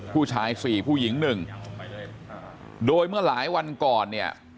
ผู้ชาย๔ผู้หญิง๑โดยเมื่อหลายวันก่อนเนี่ย